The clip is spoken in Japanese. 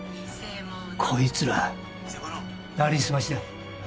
こいつら成り済ましだ。